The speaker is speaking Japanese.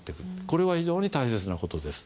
これは非常に大切な事です。